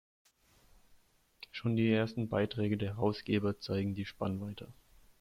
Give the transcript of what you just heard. Schon die ersten Beiträge der Herausgeber zeigen die Spannweite.